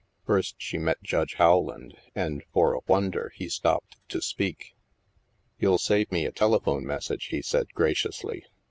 First she met Judge Rowland and, for a wonder, he stopped to speak. " You'll save me a telephone message," he said graciously.